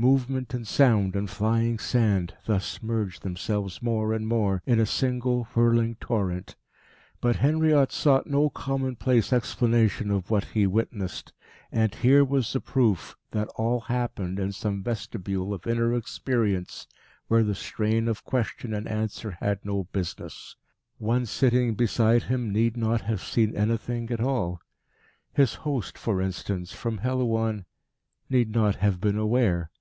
Movement and sound and flying sand thus merged themselves more and more in a single, whirling torrent. But Henriot sought no commonplace explanation of what he witnessed; and here was the proof that all happened in some vestibule of inner experience where the strain of question and answer had no business. One sitting beside him need not have seen anything at all. His host, for instance, from Helouan, need not have been aware.